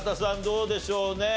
どうでしょうね？